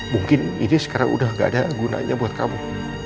mungkin ini sekarang udah gak ada gunanya buat kamu